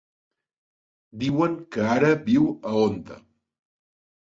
Diuen que ara viu a Onda.